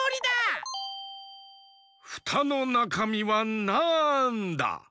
フタのなかみはなんだ？